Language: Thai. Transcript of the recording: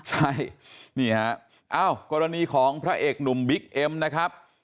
ใช่นี่ฮะอ้าวกรณีของพระเอกหนุ่มบิ๊กเอ็มนะครับ